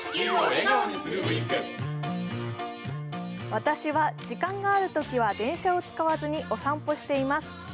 私は時間があるときは電車を使わずにお散歩しています。